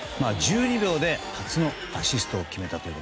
１２秒で初アシストを決めたという。